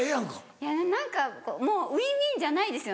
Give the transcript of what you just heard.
いや何かもうウィンウィンじゃないですよね。